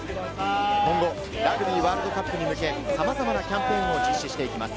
今後、ラグビーワールドカップに向け、さまざまなキャンペーンを実施していきます。